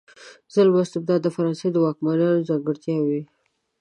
ظلم او استبداد د فرانسې د واکمنیو ځانګړتیاوې وې.